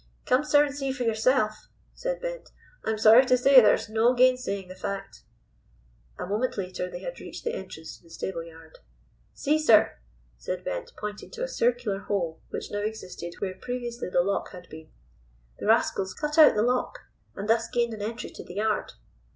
"Come, sir, and see for yourself," said Bent. "I am sorry to say there is no gainsaying the fact." A moment later they had reached the entrance to the stable yard. "See sir," said Bent pointing to a circular hole which now existed where previously the lock had been. "The rascals cut out the lock, and thus gained an entry to the yard."